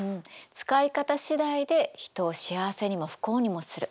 使い方次第で人を幸せにも不幸にもする。